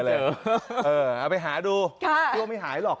เอาไปหาดูกลัวไม่หายหรอก